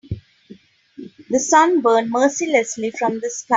The sun burned mercilessly from the sky.